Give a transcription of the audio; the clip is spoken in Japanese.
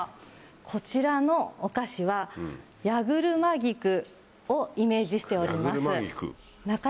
こちらのお菓子は。をイメージしております。